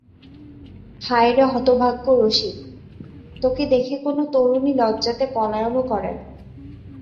হায় রে হতভাগ্য রসিক, তোকে দেখে কোনো তরুণী লজ্জাতে পলায়নও করে না!